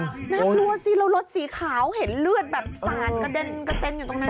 น่ากลัวสิแล้วรถสีขาวเห็นเลือดแบบสาดกระเด็นกระเซ็นอยู่ตรงนั้น